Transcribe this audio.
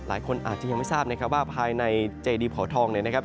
หลายคนอาจจะยังไม่ทราบนะครับว่าภายในเจดีเผาทองเนี่ยนะครับ